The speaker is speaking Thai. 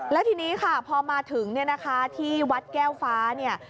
แล้วทีนี้ค่ะพอมาถึงเนี่ยนะคะที่วัดแก้วฟ้าเนี่ย